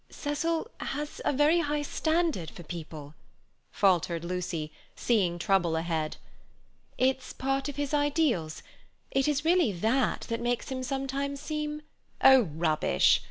"Cecil has a very high standard for people," faltered Lucy, seeing trouble ahead. "It's part of his ideals—it is really that that makes him sometimes seem—" "Oh, rubbish!